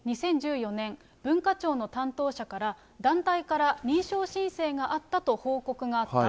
２０１４年、文化庁の担当者から団体から認証申請があったと報告があった。